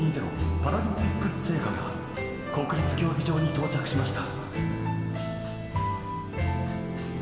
パラリンピック聖火が国立競技場に到着しました。